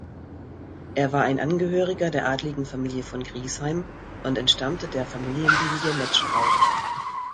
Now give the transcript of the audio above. Er war ein Angehöriger der adligen Familie von Griesheim und entstammte der Familienlinie Netzschkau.